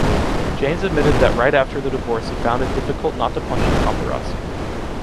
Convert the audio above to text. James admitted that right after the divorce he found it difficult not to punch the paparazzi.